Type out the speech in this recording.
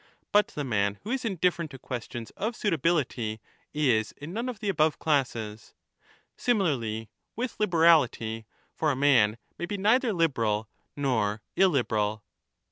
But the man who is indifferent to questions of suitability is in none of the above classes. Similarly with liberality ; for a man may be neither liberal 15 nor illiberal. 31 ^ 15 = E.JV.